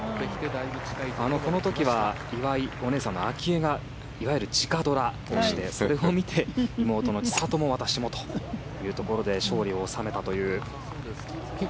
この時は岩井お姉さんの明愛がいわゆる直ドラをしてそれを見て妹の千怜も私もということで勝利を収めたという。